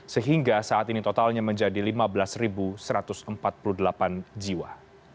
sehingga saat ini totalnya menjadi lima belas satu ratus empat puluh delapan jiwa